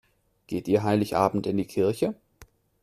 Geht ihr Heiligabend in die Kirche?